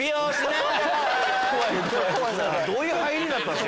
どういう入りだったの？